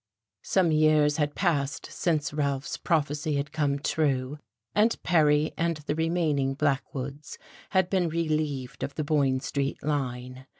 Some years had passed since Ralph's prophecy had come true, and Perry and the remaining Blackwoods had been "relieved" of the Boyne Street line.